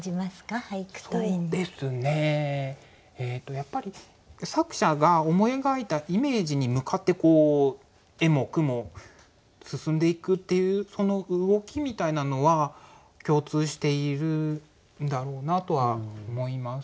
やっぱり作者が思い描いたイメージに向かって絵も句も進んでいくっていうその動きみたいなのは共通しているんだろうなとは思います。